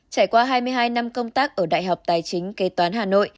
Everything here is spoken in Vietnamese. trải qua hai mươi hai năm công tác ở đại học tài chính kế toán hà nội